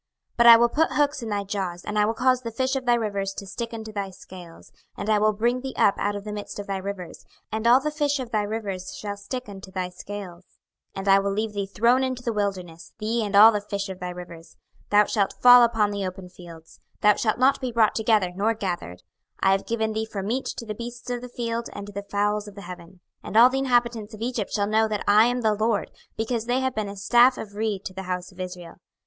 26:029:004 But I will put hooks in thy jaws, and I will cause the fish of thy rivers to stick unto thy scales, and I will bring thee up out of the midst of thy rivers, and all the fish of thy rivers shall stick unto thy scales. 26:029:005 And I will leave thee thrown into the wilderness, thee and all the fish of thy rivers: thou shalt fall upon the open fields; thou shalt not be brought together, nor gathered: I have given thee for meat to the beasts of the field and to the fowls of the heaven. 26:029:006 And all the inhabitants of Egypt shall know that I am the LORD, because they have been a staff of reed to the house of Israel.